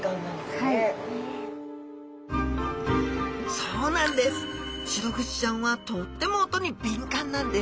そうなんです！